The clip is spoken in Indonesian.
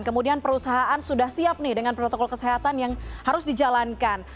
kemudian perusahaan sudah siap nih dengan protokol kesehatan yang harus dijalankan